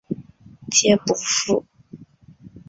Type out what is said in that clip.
皆不赴。